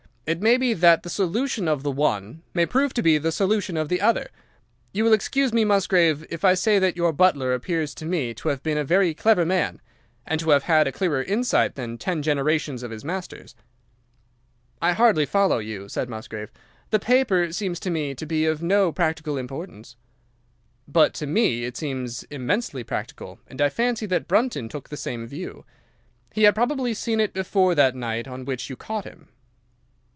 It may be that the solution of the one may prove to be the solution of the other. You will excuse me, Musgrave, if I say that your butler appears to me to have been a very clever man, and to have had a clearer insight than ten generations of his masters.' "'I hardly follow you,' said Musgrave. 'The paper seems to me to be of no practical importance.' "'But to me it seems immensely practical, and I fancy that Brunton took the same view. He had probably seen it before that night on which you caught him.